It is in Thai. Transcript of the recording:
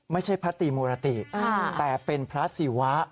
ไม่ใช่พระตีมุรติแต่เป็นพระศิวะ